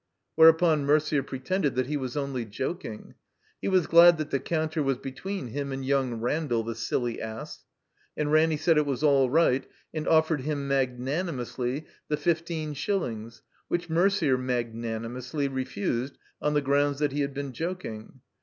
Whereupon Merd^ pretended that he was only joking. He was glad that the cotmter was between him and young Randall, the silly ass. And Ranny said it was all right and offered him (magnanimously) the fifteen shillings, which Merder (magnanimously) refused on the grounds that he had been joking.